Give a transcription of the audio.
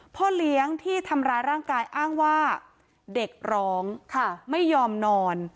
พ่อเลี้ยงที่ทำร้ายร่างกายอ้างว่าเด็กร้องไม่ยอมนอน